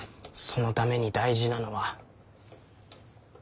そのために大事なのは。